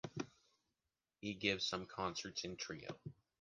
He gives some concerts in trio.